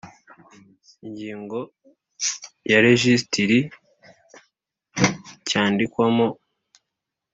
Ingingo ya rejisitiri cyandikwamo